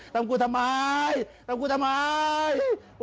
ทำกูทำไมทำกูทำไม